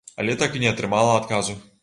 Але так і не атрымала адказу!